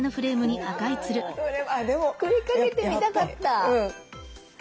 これ掛けてみたかった。